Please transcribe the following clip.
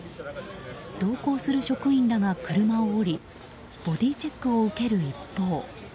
同行する職員らが車を降りボディーチェックを受ける一方。